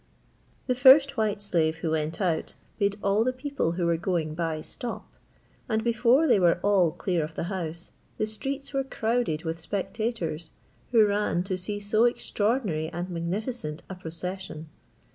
The first white slave who went out made all the people who were going by stop; and before they were all clear of the house, the streets were crowded with spectators, who ran to see so extraordinary and magnificent a procession.